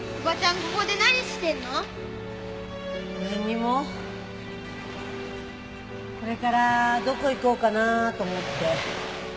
これからどこ行こうかなと思って。